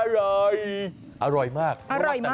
อร่อยอร่อยมากอร่อยมาก